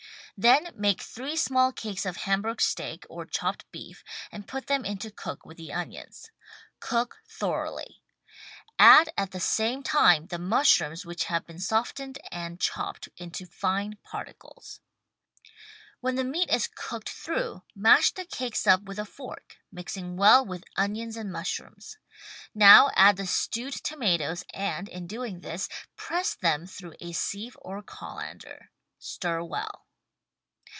Then make three small cakes of Hamburg steak or chopped beef and put them in to cook, with the onions. Cook thoroughly. Add at the same time the mushrooms which have been softened and chopped into fine particles. When the meat is cooked through mash the cakes up with a fork — mixing well with onions and mushrooms. Now add the stewed tomatoes and, in doing this, press them through a sieve or colander. Stir well.